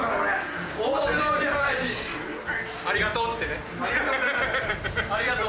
「ありがとう」ってね。